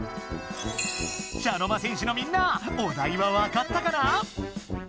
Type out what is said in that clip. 茶の間戦士のみんなお題はわかったかな？